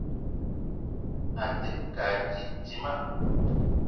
A te ke a titima.